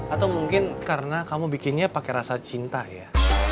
atau mungkin karena kamu bikinnya pakai rasa cinta ya